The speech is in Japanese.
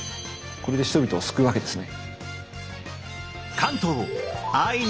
これで人々を救うわけですね。